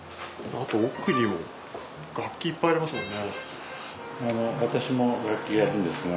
あと奥にも楽器いっぱいありますもんね。